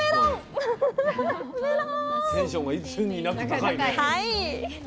テンションがいつになく高いね。